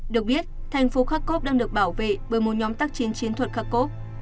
được biết thành phố kharkov đang được bảo vệ bởi một nhóm tác chiến chiến thuật kharkov